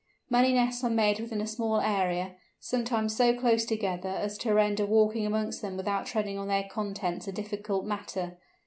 Many nests are made within a small area, sometimes so close together as to render walking amongst them without treading on their contents a difficult matter.